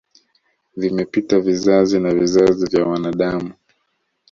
Vimepita vizazi na vizazi vya wanadamu